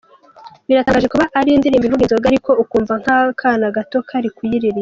Biratangaje kuba ari indirimbo ivuga inzoga ariko ukumva n’akana gato kari kuyiririmba.